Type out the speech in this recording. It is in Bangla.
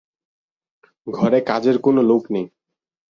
ঘরে কাজের কোনো লোক নেই।